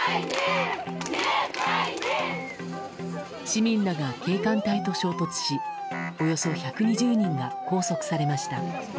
市民らが警官隊と衝突しおよそ１２０人が拘束されました。